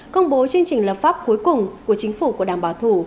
công bố chương trình lập pháp cuối cùng của chính phủ của đảng bảo thủ